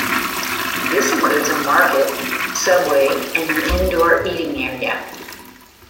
This includes a market, Subway, and an indoor eating area.